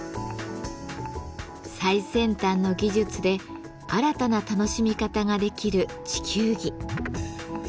最先端の技術で新たな楽しみ方ができる地球儀。